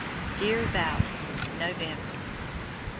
DEER VALLEY, November.